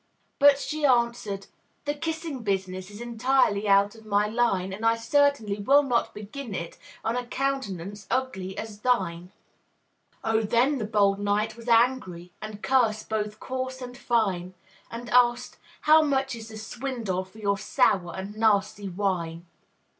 But she answered, "The kissing business Is entirely out of my line; And I certainly will not begin it On a countenance ugly as thine!" Oh, then the bold knight was angry, And cursed both coarse and fine; And asked, "How much is the swindle For your sour and nasty wine?"